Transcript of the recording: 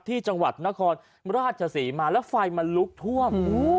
ที่จังหวัดนครราชศรีมาแล้วไฟมันลุกท่วม